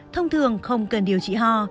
thông thường không cần điều trị ho